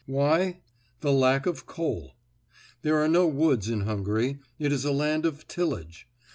Why? The lack of coal. There are no woods in Hungary; it is a land of tillage.